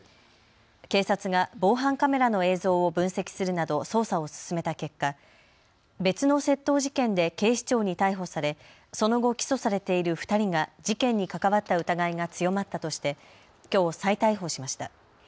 警察が防犯カメラの映像を分析するなど捜査を進めた結果、別の窃盗事件で警視庁に逮捕されその後、起訴されている２人が事件に関わった疑いが強まったとしてきょう再逮捕しました。